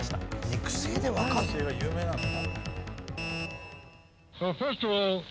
肉声が有名なの？